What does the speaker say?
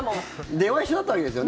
出は一緒だったわけですよね。